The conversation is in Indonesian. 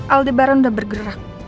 aldebaran udah bergerak